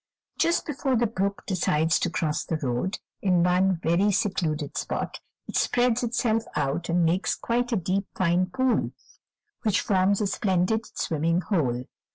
Just before the brook decides to cross the road, in one very secluded spot, it spreads itself out and makes quite a fine deep pool, which forms a splendid swimming hole.